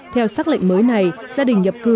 theo xác lệnh mới này gia đình nhập cư